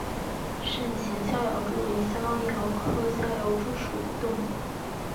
肾形逍遥蛛为逍遥蛛科逍遥蛛属的动物。